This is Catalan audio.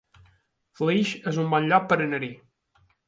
Flix es un bon lloc per anar-hi